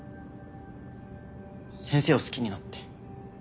先生を好きになって。